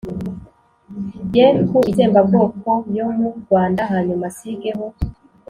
ye ku itsembabwoko yo mu rwanda hanyuma asigeho